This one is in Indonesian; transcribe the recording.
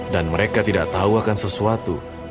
dan mereka tidak tahu akan sesuatu